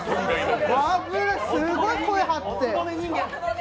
危ね、すっごい声張って。